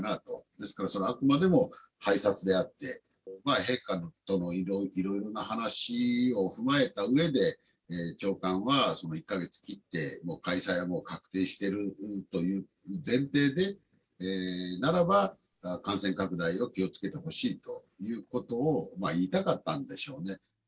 ですからあくまでも、拝察であって、陛下とのいろいろな話を踏まえたうえで、長官は１か月切って、開催がもう確定しているという前提で、ならば、感染拡大を気をつけてほしいということを言いたかったんでしょうね。